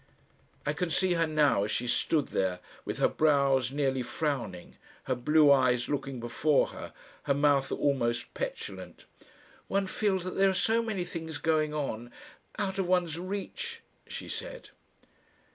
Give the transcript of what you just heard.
I can see her now as she stood there with her brows nearly frowning, her blue eyes looking before her, her mouth almost petulant. "One feels that there are so many things going on out of one's reach," she said.